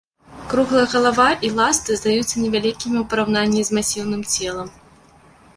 Круглая галава і ласты здаюцца невялікімі ў параўнанні з масіўным целам.